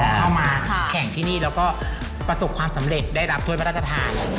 เข้ามาแข่งที่นี่แล้วก็ประสบความสำเร็จได้รับถ้วยพระราชทาน